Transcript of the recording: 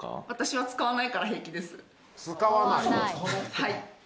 はい。